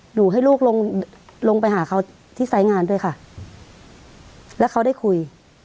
หนูให้ลูกลงลงไปหาเขาที่ไซส์งานด้วยค่ะแล้วเขาได้คุย